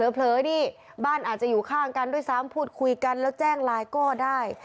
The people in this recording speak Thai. เผลอนี่บ้านอาจจะอยู่ข้างกันด้วยซ้ำพูดคุยกันแล้วแจ้งไลน์ก็ได้